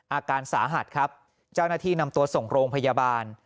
อาการสาหัสครับเจ้าหน้าที่นำตัวส่งโรงพยาบาล